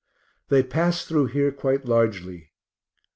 They pass through here quite largely.